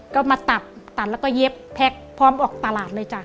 ก็มาตัดตัดแล้วก็เย็บแพ็คพร้อมออกตลาดเลยจ้ะ